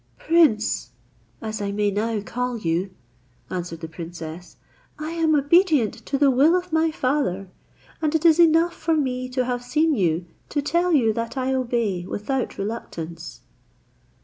"Prince (as I may now call you)," answered the princess, "I am obedient to the will of my father; and it is enough for me to have seen you to tell you that I obey without reluctance."